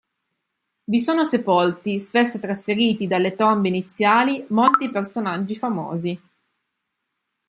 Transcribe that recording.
Vi sono sepolti, spesso trasferiti dalle tombe iniziali, molti personaggi famosi.